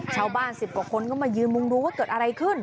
๑๐กว่าคนก็มายืนมุงดูว่าเกิดอะไรขึ้น